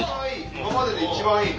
今までで一番いい。